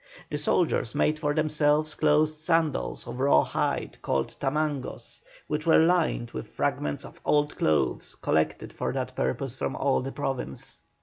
The soldiers made for themselves closed sandals of raw hide called tamangos, which were lined with fragments of old clothes collected for that purpose from all the province.